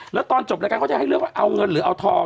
แล้วตอนจบรายการเขาจะให้เลือกว่าเอาเงินหรือเอาทอง